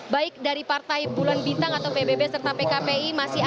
baik dari partai bulan bintang atau pbb serta pkpi